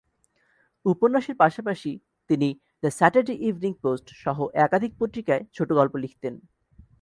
উপন্যাসের পাশাপাশি তিনি "দ্য স্যাটারডে ইভনিং পোস্ট"-সহ একাধিক পত্রিকায় ছোটগল্প লিখতেন।